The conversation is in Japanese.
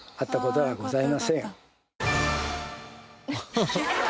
ハハハッ。